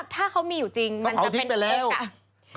ถ้าเขามีอยู่จริงมันจะเป็นคลิปอ่ะ